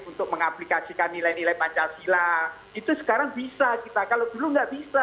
untuk mengaplikasikan nilai nilai pancasila itu sekarang bisa kita kalau dulu nggak bisa